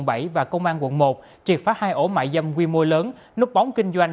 công an tp hcm và công an quận một triệt phá hai ổ mại dâm quy mô lớn nút bóng kinh doanh